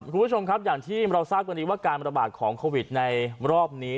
คุณผู้ชมครับอย่างที่เราทราบวันนี้ว่าการระบาดของโควิดในรอบนี้